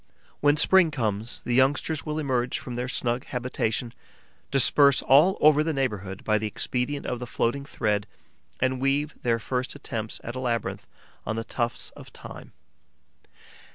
When spring comes, the youngsters will emerge from their snug habitation, disperse all over the neighbourhood by the expedient of the floating thread and weave their first attempts at a labyrinth on the tufts of thyme.